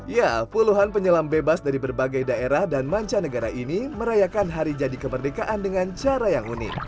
ya puluhan penyelam bebas dari berbagai daerah dan mancanegara ini merayakan hari jadi kemerdekaan dengan cara yang unik